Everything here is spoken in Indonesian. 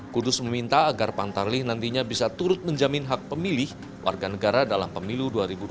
kudus meminta agar pantarlih nantinya bisa turut menjamin hak pemilih warga negara dalam pemilu dua ribu dua puluh